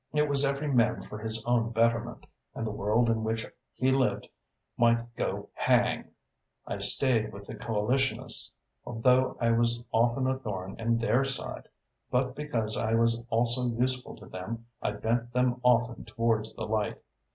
It was every man for his own betterment and the world in which he lived might go hang. I stayed with the Coalitionists, though I was often a thorn in their side, but because I was also useful to them I bent them often towards the light.